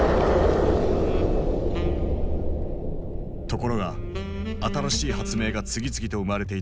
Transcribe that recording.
ところが新しい発明が次々と生まれていたこの時代。